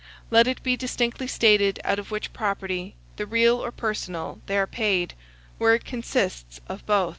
Let it be distinctly stated out of which property, the real or personal, they are paid, where it consists of both.